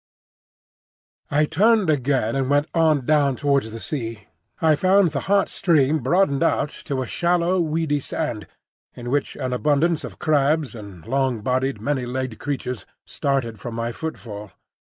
I turned again and went on down towards the sea. I found the hot stream broadened out to a shallow, weedy sand, in which an abundance of crabs and long bodied, many legged creatures started from my footfall.